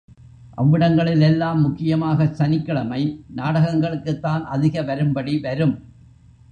அவ்விடங்களிலெல்லாம் முக்கியமாக சனிக்கிழமை நாடகங்களுக்குத்தான் அதிக வரும்படி வரும்.